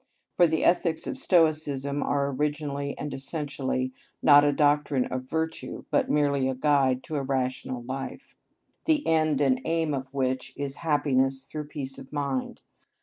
For the ethics of Stoicism are originally and essentially, not a doctrine of virtue, but merely a guide to a rational life, the end and aim of which is happiness through peace of mind.